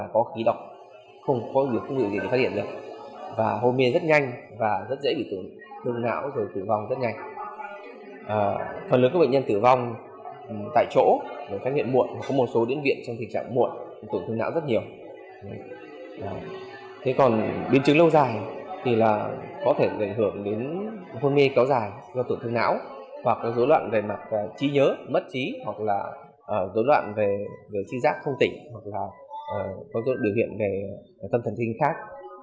có thể gây ảnh hưởng đến hôn mê kéo dài do tổn thương lão hoặc có dối loạn về mặt trí nhớ mất trí hoặc là dối loạn về trí giác không tỉnh hoặc là có dối loạn biểu hiện về tâm thần sinh khác